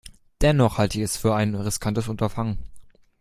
Dennoch halte ich es für ein riskantes Unterfangen.